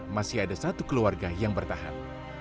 masih ada satu keluarga yang bertahan